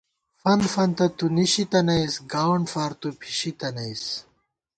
فنت فنتہ تُو نِشِی تنَئیس گاوَنڈ فار تُو پھِشی تنَئیس